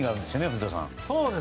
古田さん。